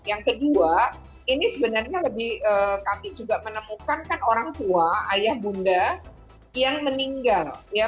yang kedua ini sebenarnya lebih kami juga menemukan kan orang tua ayah bunda yang meninggal